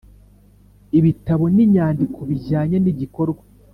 Ibitabo n inyandiko bijyanye n igikorwa